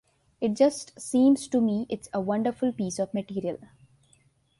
It just seems to me it's a wonderful piece of material.